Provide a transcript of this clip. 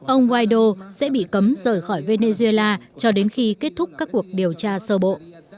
ông guaido sẽ bị cấm rời khỏi venezuela cho đến khi kết thúc các cuộc điều tra sơ bộ